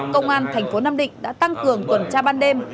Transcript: công an tp nam định đã tăng cường tuần tra ban đêm